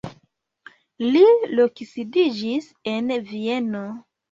Li loksidiĝis en Vieno.